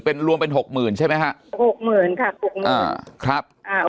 เป็นรวมเป็นหกหมื่นใช่ไหมฮะหกหมื่นค่ะหกหมื่นอ่าครับอ่า